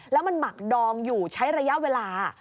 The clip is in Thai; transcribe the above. แล้วมันหมักดองอยู่ใช้ระยะเวลา